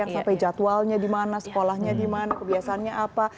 yang sampai jadwalnya dimana sekolahnya dimana kebiasaannya apa